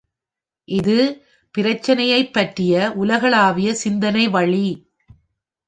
இது பிரச்சினையைப் பற்றிய உலகளாவிய சிந்தனை வழி.